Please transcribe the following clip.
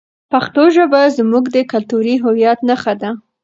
پښتو ژبه زموږ د کلتوري هویت نښه ده.